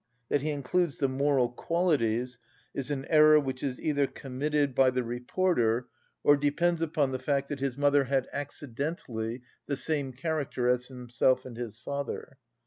_" That he includes the moral qualities is an error which is either committed by the reporter, or depends upon the fact that his mother had accidentally the same character as himself and his father.